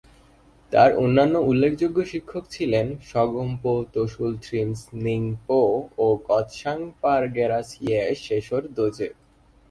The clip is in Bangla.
তার অন্যান্য উল্লেখযোগ্য শিক্ষক ছিলেন স্গোম-পো-ত্শুল-খ্রিম্স-স্ন্যিং-পো ও গ্ত্সাং-পা-র্গ্যা-রাস-য়ে-শেস-র্দো-র্জে।